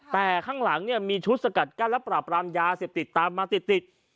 แต่ข้างหลังเนี่ยมีชุดสกัดกั้นและปราบรามยาเสพติดตามมาติด